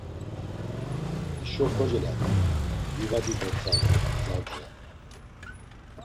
Hişo kocelaft̆i, livadi do tzale, gza gza.